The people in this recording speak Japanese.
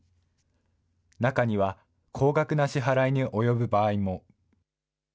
中には、高額な支払いに及ぶ場合も。